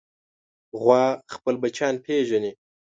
غوا خپل بچیان پېژني.